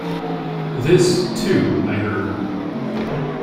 This, too, I heard.